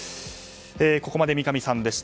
ここまで三上さんでした。